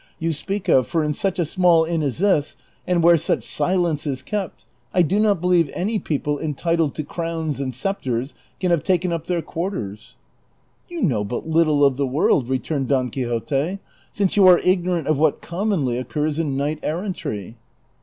375 you speak of ; for in such a small inn as this, and where such silence is kept, I do not believe any people entitled to crowns and sceptres can have taken up their quarters." "You know but little of the world," returned Don Quixote, " since you are ignorant of what commonly occurs in knight errantry."